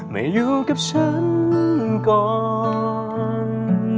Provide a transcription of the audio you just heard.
ไม่อยู่กับฉันก่อน